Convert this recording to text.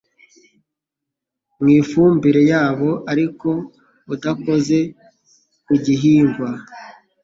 mu ifumbire yabo ariko udakoze ku gihingwa